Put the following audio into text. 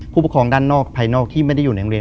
ผู้ปกครองด้านนอกภายนอกที่ไม่ได้อยู่ในโรงเรียน